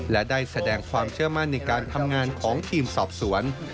และได้แสดงความเชื่อมั่นในการทำงานของทีมสอบสวน